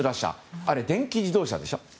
あれ、電気自動車でしょ？